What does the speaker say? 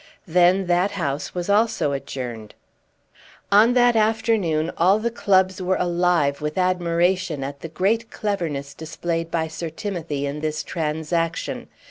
Then that House was also adjourned. On that afternoon all the clubs were alive with admiration at the great cleverness displayed by Sir Timothy in this transaction.